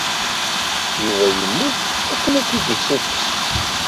Yuba yemmut akken ad k-id-yessukkes.